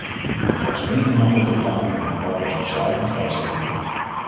Het was geen gemakkelijke taak en het pad was bezaaid met valstrikken.